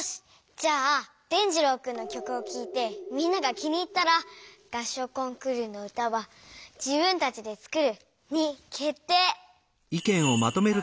じゃあ伝じろうくんの曲を聴いてみんなが気に入ったら合唱コンクールの歌は「自分たちで作る」にけってい！